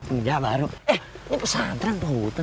eh ini pesantren pahutan